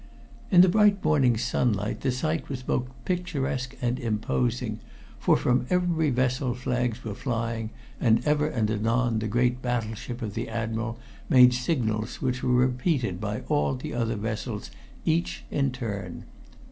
In the bright morning sunlight the sight was both picturesque and imposing, for from every vessel flags were flying, and ever and anon the great battleship of the Admiral made signals which were repeated by all the other vessels, each in turn.